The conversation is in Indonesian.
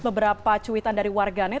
beberapa cuitan dari warganet